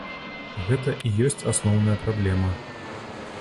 Гэта і ёсць асноўная праблема.